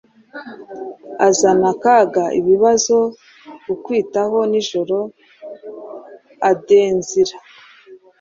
Azana akaga, ibibazo, akwitaho, nijoro adainzira